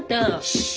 シッ。